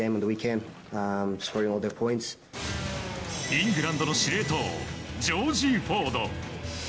イングランドの司令塔ジョージ・フォード。